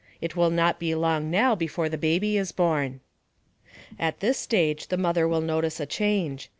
It will not be long now before the baby is born. At this stage the mother will notice a change.